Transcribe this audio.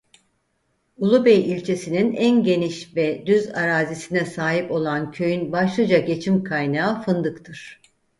Ulubey ilçesinin en geniş ve düz arazisine sahip olan köyün başlıca geçim kaynağı fındıktır.